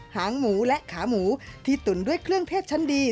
หางหมูและขาหมูที่ตุ๋นด้วยเครื่องเทศชั้นดี